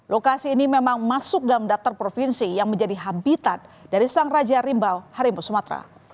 lokasi ini memang masuk dalam daftar provinsi yang menjadi habitat dari sang raja rimbau harimau sumatera